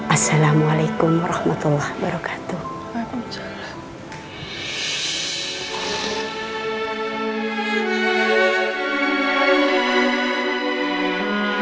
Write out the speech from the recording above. assalamualaikum warahmatullah wabarakatuh